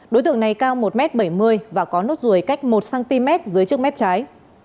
đối tượng này cao một m bảy mươi và có nốt ruồi cách một cm dưới trước mép trái